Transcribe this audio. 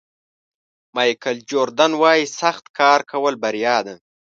مایکل جوردن وایي سخت کار کول بریا ده.